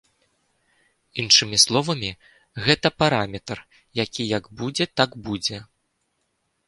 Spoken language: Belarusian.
Іншымі словамі, гэта параметр, які як будзе, так будзе.